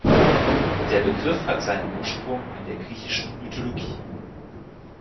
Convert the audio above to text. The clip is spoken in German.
Der Begriff hat seinen Ursprung in der griechischen Mythologie.